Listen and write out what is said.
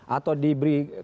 atau di beritahukan